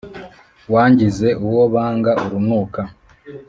Wangize uwo banga urunuka